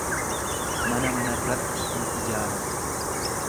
Mana manarratti hin ijaaran.